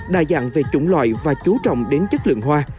đa dạng về chủng loại và chú trọng đến chất lượng hoa